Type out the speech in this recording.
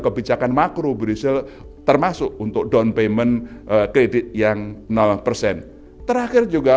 kebijakan makro brezil termasuk untuk down payment kredit yang persen terakhir juga